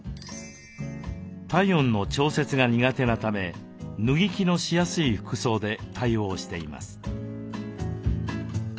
体温の調節が苦手なため脱ぎ着のしやすい服装で対応しています。